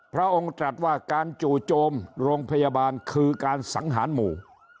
พระองค์ตรัสว่าการจู่โจมโรงพยาบาลคือการสังหารหมู่